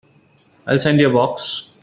I'll send you a box.